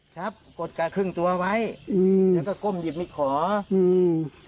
แต่อย่าลืมเนี่ย